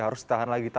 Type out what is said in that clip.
harus ditahan lagi